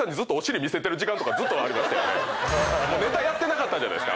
ネタやってなかったじゃない。